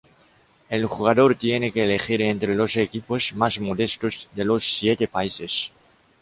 El jugador tiene que elegir entre los equipos más modestos de los siete países.